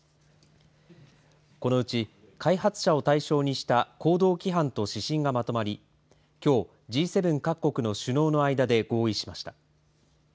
このうち開発者を対象にした行動規範と指針がまとまりきょう、Ｇ７各国の首脳の間で合意しました。